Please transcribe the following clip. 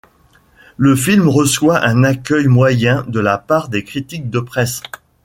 Le film reçoit un accueil moyen de la part des critiques de presse.